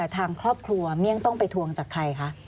ทางครอบครัวเมี่ยงต้องไปทวงจากใครคะ